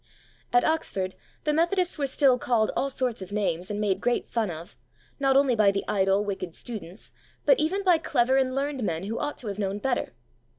'" At Oxford, the Methodists were still called all sorts of names and made great fun of, not only by the idle, wicked students, but even by clever and learned men who ought to have known better.